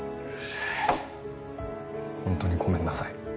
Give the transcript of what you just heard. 本当にごめんなさい。